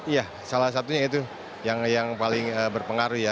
ya salah satunya itu yang paling berpengaruh ya